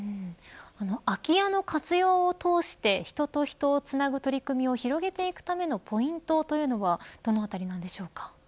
空き家の活用を通して人と人とをつなげる取り組みを広げていくためのポイントというのはどのあたりなんでしょうか。